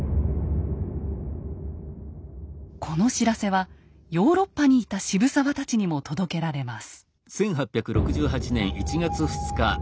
この知らせはヨーロッパにいた渋沢たちにも届けられます。